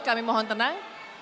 kami mohon tenang